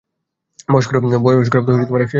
বয়স্করাও তো একসময় তরুণ ছিলো।